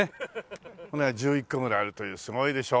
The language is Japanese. これが１１個ぐらいあるというすごいでしょう。